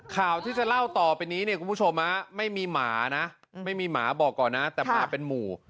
ข่าวที่จะเล่าต่อไปนี้เนี่ยคุณผู้ชมไม่มีหมานะไม่มีหมาบอกก่อนนะแต่หมาเป็นหมู่